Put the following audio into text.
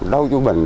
đâu chú bình